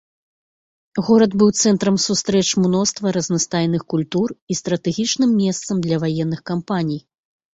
Горад быў цэнтрам сустрэч мноства разнастайных культур і стратэгічным месцам для ваенных кампаній.